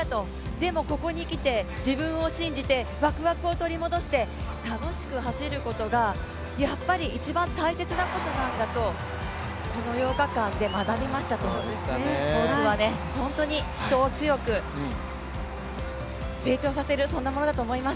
でもここに来て、自分を信じて、ワクワクを取り戻して、楽しく走ることが、やっぱり一番大切なことなんだと、この８日間で学びましたとスポーツは本当に人を強く成長させる、そんなものだと思います。